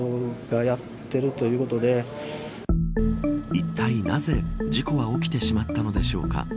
いったいなぜ事故は起きてしまったのでしょうか。